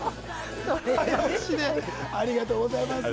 ありがとうございます。